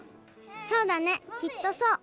そうだねきっとそう。